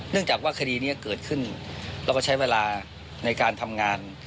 จากว่าคดีนี้เกิดขึ้นเราก็ใช้เวลาในการทำงาน